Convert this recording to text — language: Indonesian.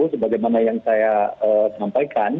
sebagaimana yang saya sampaikan